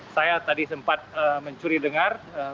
saya tadi sempat mencuri dengar hasil pertemuan mereka